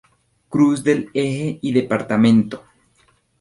Cruz del Eje y Dpto.